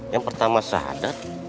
yang pertama sahadat